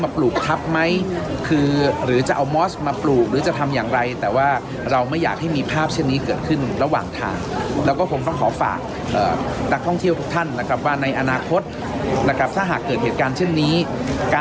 พี่หนุ่มผู้ชายแท่งอ่ะร้องไห้ทั้งนั้นอ่ะขึ้นอ่ะ